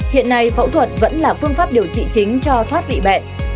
hiện nay phẫu thuật vẫn là phương pháp điều trị chính cho thoát vị bệnh